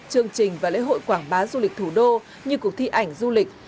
chương trình và lễ hội quảng bá du lịch thủ đô như cuộc thi ảnh du lịch